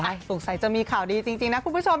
อ่ะตรงใส่จะมีข่าวดีจริงนะคุณผู้ชม